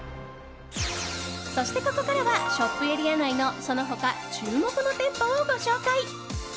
そして、ここからはショップエリア内のその他、注目の店舗をご紹介。